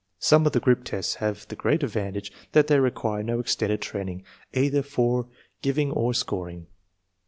Some of the group tests have the great advantage that they require no extended training either for giv ing or scoring.